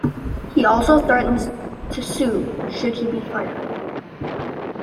He also threatens to sue should he be fired.